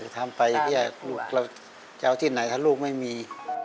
ทำไปก็อยากจะเอาที่ไหนถ้าลูกไม่มี